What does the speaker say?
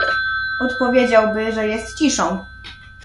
"odpowiedziałby, że jest ciszą."